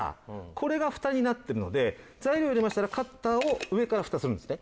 これがフタになってるので材料入れましたらカッターを上からフタするんですね。